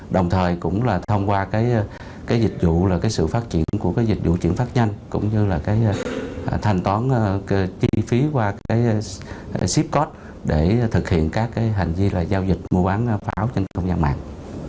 đồng thời cũng là thông qua dịch vụ sự phát triển của dịch vụ chuyển phát nhanh cũng như là thành tón chi phí qua ship code để thực hiện các hành vi giao dịch mua bán pháo trên không gian mạng